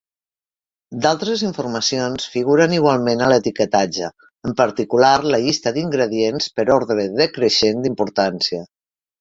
D'altres informacions figuren igualment a l'etiquetatge, en particular la llista d'ingredients per ordre decreixent d'importància.